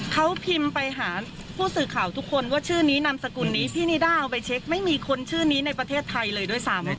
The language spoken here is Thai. เขาพิมพ์ไปหาผู้สื่อข่าวทุกคนว่าชื่อนี้นามสกุลนี้พี่นิด้าเอาไปเช็คไม่มีคนชื่อนี้ในประเทศไทยเลยด้วยซ้ำ